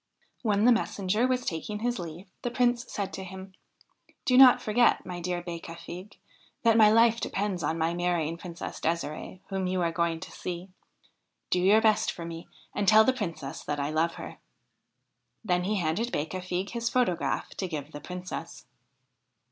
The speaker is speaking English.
When the messenger was taking his leave the Prince said to him :' Do not forget, my dear Becafigue, that my life depends on my marrying Princess Desirde, whom you are going to see. Do your best for me and tell the Princess that I love her.' Then he handed Becafigue his photograph to give the Princess.